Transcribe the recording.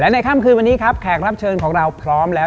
ในค่ำคืนวันนี้ครับแขกรับเชิญของเราพร้อมแล้ว